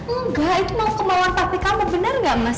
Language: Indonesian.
enggak itu mau kemauan papi kamu bener gak mas